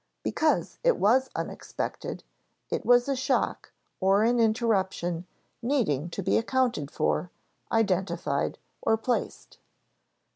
Because it was unexpected, it was a shock or an interruption needing to be accounted for, identified, or placed.